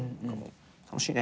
楽しいね！